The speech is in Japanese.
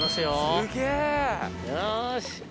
よし。